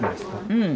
うん。